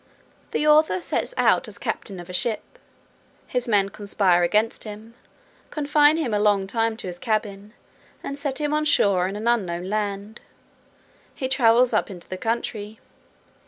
The author sets out as captain of a ship. His men conspire against him, confine him a long time to his cabin, and set him on shore in an unknown land. He travels up into the country.